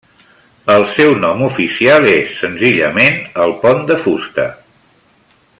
El seu nom oficial és senzillament el pont de fusta.